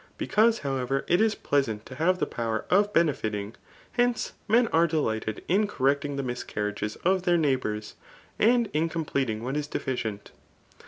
Because, however, it is pleasant to have the pow(¥ of benefiting, hence, n^en are deligt^ed, in cor recting the miscarriages of their neight^u^s^ aiyi^iucom* pleting whs^ is deficient.